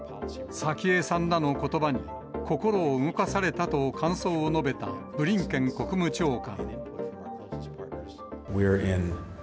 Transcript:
早紀江さんらのことばに、心を動かされたと感想を述べたブリンケン国務長官。